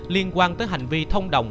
liên quan tới hành vi thông đồng